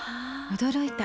驚いた。